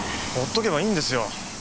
ほっとけばいいんですよ。